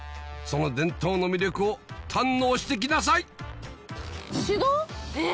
その伝統の魅力を堪能してきなさいえ！